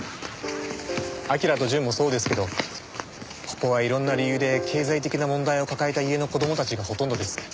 彬と淳もそうですけどここはいろんな理由で経済的な問題を抱えた家の子供たちがほとんどです。